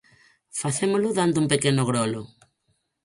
Facémolo dando un pequeno grolo.